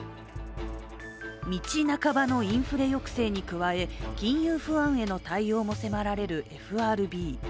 道半ばのインフレ抑制に加え、金融不安への対応も迫られるＦＲＢ。